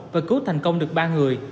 và cứu thành công được ba người